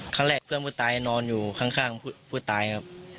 ครั้งแรกเพื่อนผู้ตายนอนอยู่ข้างผู้ตายครับ